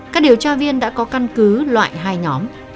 các điều tra viên đã có căn cứ loại hai nhóm